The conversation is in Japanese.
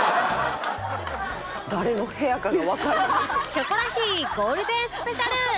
『キョコロヒー』ゴールデンスペシャル